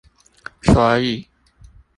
所以